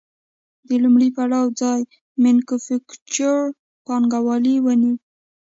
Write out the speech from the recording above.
د لومړي پړاو ځای مینوفکچور پانګوالي ونیو